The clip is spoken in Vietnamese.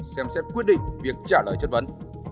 xem xét quyết định việc trả lời chất vấn